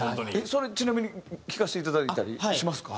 それちなみに聴かせていただけたりしますか？